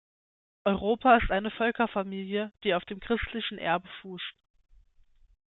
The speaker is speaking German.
Europa ist eine Völkerfamilie, die auf dem christlichen Erbe fußt.